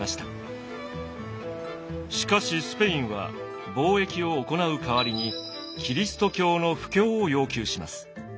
しかしスペインは貿易を行う代わりにキリスト教の布教を要求します。